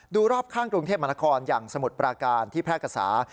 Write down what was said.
ดูรอบข้างกรุงเทพมนาคอลอย่างสมุดปราการที่แพร่กระสา